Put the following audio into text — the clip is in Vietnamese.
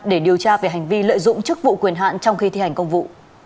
để điều tra về hành vi lợi dụng chức vụ quyền hạn trong khi thi hành công vụ